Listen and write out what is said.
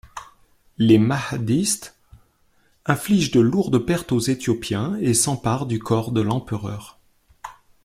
Les Mahdistes infligent de lourdes pertes aux Éthiopiens et s’emparent du corps de l’empereur.